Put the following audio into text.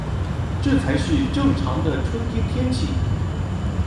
這才是正常的春天天氣